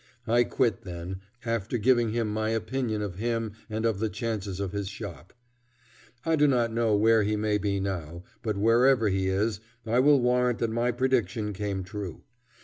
I quit then, after giving him my opinion of him and of the chances of his shop. I do not know where he may be now, but wherever he is, I will warrant that my prediction came true.